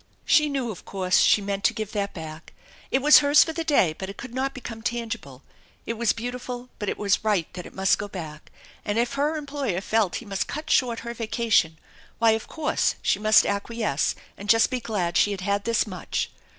She knew, of course, she meant to give that back. It was hers for the day, but it could not become tangible. It was beautiful, but it was right that it must go back, and if her employer felt he must cut short her vacation why of course she must acquiesce and just be glad she had had this much.